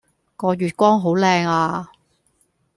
個月光好靚呀